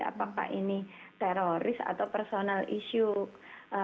apakah ini teroris atau personal issue